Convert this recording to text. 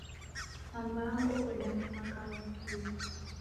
Ambango udaw'angwa Wakio